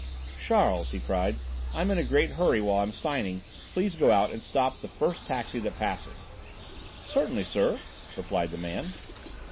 "Charles," he cried, "I'm in a great hurry; while I'm signing, please go out and stop the first taxi that passes." "Certainly, sir," replied the man.